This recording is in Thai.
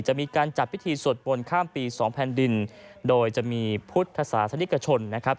จะมีการจัดพิธีสวดมนต์ข้ามปีสองแผ่นดินโดยจะมีพุทธศาสนิกชนนะครับ